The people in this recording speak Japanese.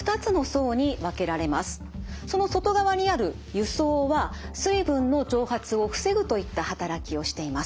その外側にある油層は水分の蒸発を防ぐといった働きをしています。